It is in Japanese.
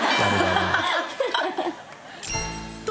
と